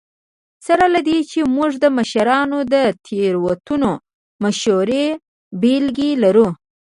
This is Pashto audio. سره له دې چې موږ د مشرانو د تېروتنو مشهورې بېلګې لرو.